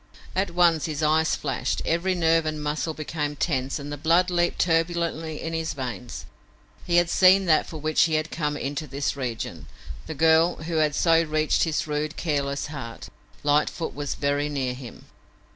At once his eyes flashed, every nerve and muscle became tense and the blood leaped turbulently in his veins. He had seen that for which he had come into this region, the girl who had so reached his rude, careless heart. Lightfoot was very near him!